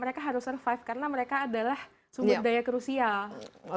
mereka harus survive karena mereka adalah sumber daya krusial